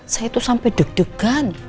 saya itu sampai deg degan